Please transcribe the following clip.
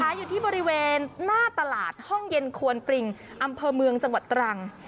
อยู่ที่บริเวณหน้าตลาดห้องเย็นควนปริงอำเภอเมืองจังหวัดตรัง